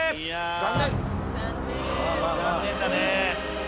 残念だね。